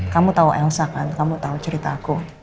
kamu tahu elsa kan kamu tahu cerita aku